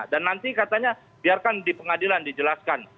dan nanti katanya biarkan di pengadilan dijelaskan